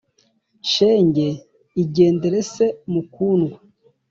Shenge igendere se mukundwa